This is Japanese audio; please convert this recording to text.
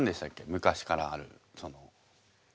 昔からあるその。